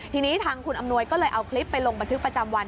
ทีนี้ทางคุณอำนวยก็เลยเอาคลิปไปลงบันทึกประจำวัน